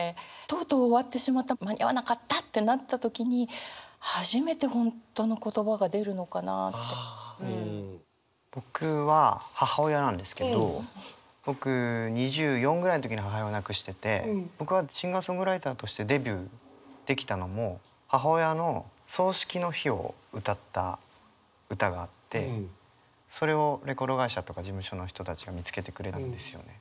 とうとう終わってしまった間に合わなかったってなった時に僕は母親なんですけど僕２４ぐらいの時に母親を亡くしてて僕はシンガーソングライターとしてデビューできたのも母親の葬式の日を歌った歌があってそれをレコード会社とか事務所の人たちが見つけてくれたんですよね。